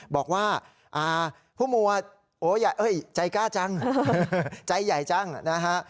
บอกว่าผู้มัวใหญ่ใจกล้าจังใจใหญ่จังนะฮะ